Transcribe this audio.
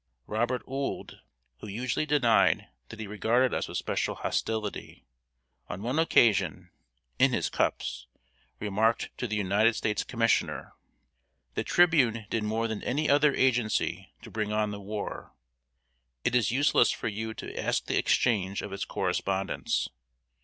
Robert Ould, who usually denied that he regarded us with special hostility, on one occasion, in his cups, remarked to the United States Commissioner: "The Tribune did more than any other agency to bring on the war. It is useless for you to ask the exchange of its correspondents.